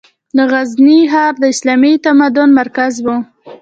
د غزني ښار د اسلامي تمدن مرکز و.